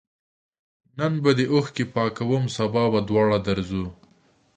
نن به دي اوښکي پاکوم سبا به دواړه ورځو